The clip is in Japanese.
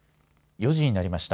４時になりました。